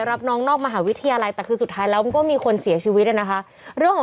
รับน้องนอกมหาวิทยาลัยแต่คือสุดท้ายแล้วมันก็มีคนเสียชีวิตนะคะเรื่องของ